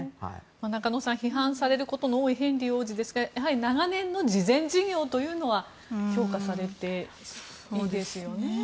中野さん批判されることの多いヘンリー王子ですが長年の慈善事業は評価されているようですね。